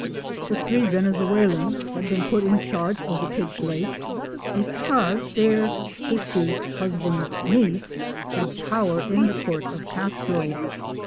The three Venezuelans had been put in charge of the Pitch Lake,—because their '" Sister's husband's niece" had power in the court of Castro.